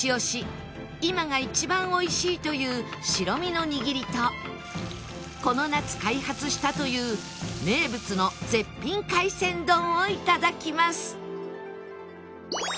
今が一番美味しいという白身の握りとこの夏開発したという名物の絶品海鮮丼を頂きます！